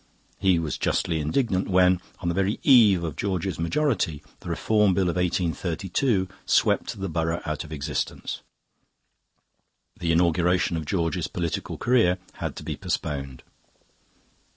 He was justly indignant when, on the very eve of George's majority, the Reform Bill of 1832 swept the borough out of existence. The inauguration of George's political career had to be postponed.